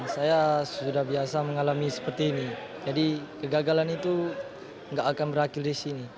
saya sudah biasa mengalami seperti ini jadi kegagalan itu tidak akan berakhir di sini